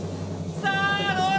さあ、どうだ！